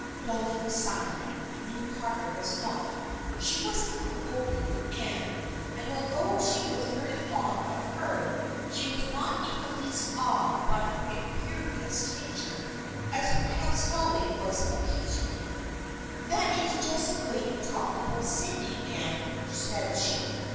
Dolly was silent. Ruth Carter was not. She was a little older than Anne, and although she was very fond of her she was not in the least awed by her imperious nature, as perhaps Dolly was oc casionally. " That is just the way you talked about Sydney, Anne," said she.